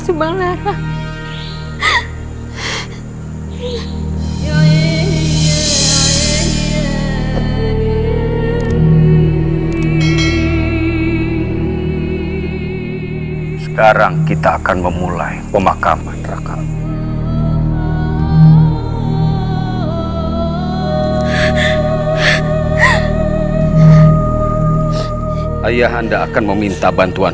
katakanlah anda berkelabar